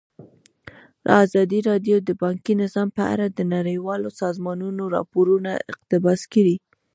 ازادي راډیو د بانکي نظام په اړه د نړیوالو سازمانونو راپورونه اقتباس کړي.